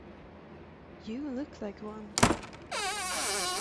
You look like one.